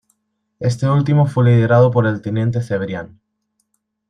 Este último fue liderado por el teniente Cebrián.